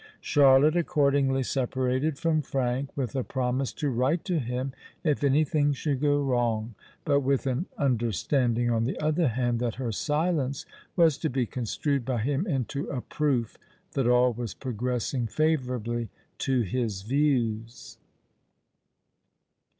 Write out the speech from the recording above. Charlotte accordingly separated from Frank, with a promise to write to him if any thing should go wrong; but with an understanding, on the other hand, that her silence was to be construed by him into a proof that all was progressing favourably to his views.